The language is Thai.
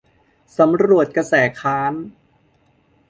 สำรวจกระแสค้าน